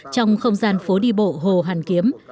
trong không gian phố đi bộ hồ hàn kiếm